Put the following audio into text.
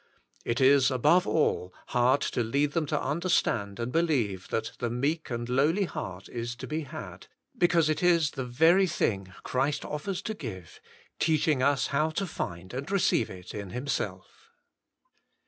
It is above all hard to lead them to understand and believe that the meek and lowly heart is to be had, because it is the very thing Christ offers to give, teaching us how to find and receive it in Himself.